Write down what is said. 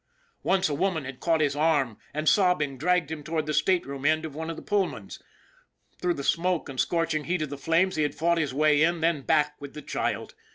Once a woman had caught his arm and, sobbing, dragged him toward the stateroom end of one of the Pullmans. Through the smoke and scorching heat of the flames he had fought his way in, then back with the child.